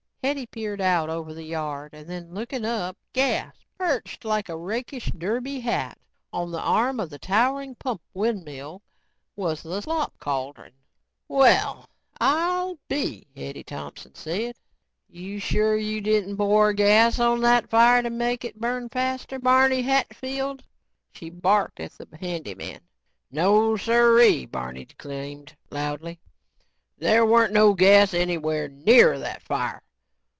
Hetty peered out over the yard and then looking up, gasped. Perched like a rakish derby hat on the arm of the towering pump windmill was the slop cauldron. "Well I'll be...." Hetty Thompson said. "You sure you didn't pour gas on that fire to make it burn faster, Barney Hatfield?" she barked at the handy man. "No siree," Barney declaimed loudly, "there weren't no gas anywhere near that fire.